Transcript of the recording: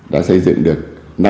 đã xây dựng được năm mươi một